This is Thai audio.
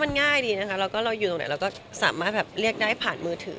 มันง่ายดีนะคะแล้วก็เราอยู่ตรงไหนเราก็สามารถแบบเรียกได้ผ่านมือถือ